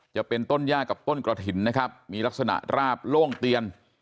จะเป็นต้นย่ากับต้นกระถิ่นนะครับมีลักษณะราบโล่งเตียน